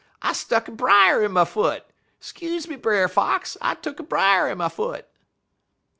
I stuck a brier in my foot! Scuze me, Brer Fox! I stuck a brier in my foot!'